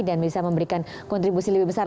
dan bisa memberikan kontribusi lebih banyak